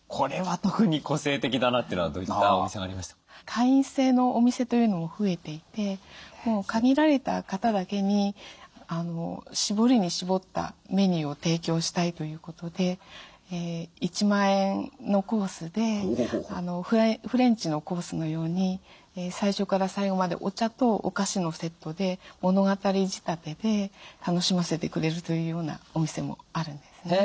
会員制のお店というのも増えていてもう限られた方だけに絞りに絞ったメニューを提供したいということで１万円のコースでフレンチのコースのように最初から最後までお茶とお菓子のセットで物語仕立てで楽しませてくれるというようなお店もあるんですね。